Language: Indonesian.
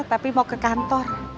tapi mau ke kantor